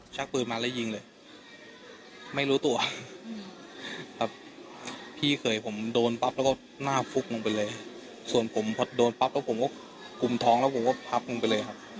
ชักปืนมาแล้วยิงเลยไม่รู้ตัวแบบพี่เขยผมโดนปั๊บแล้วก็หน้าฟุกลงไปเลยส่วนผมพอโดนปั๊บแล้วผมก็กุมท้องแล้วผมก็พับลงไปเลยครับ